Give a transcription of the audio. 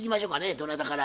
どなたから？